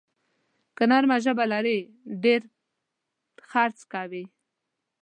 که نرمه ژبه لرې، ډېر خرڅ کوې.